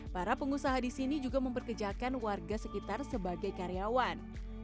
para pengusaha di sini juga memperkejakan warga sekitar sebagai karyawan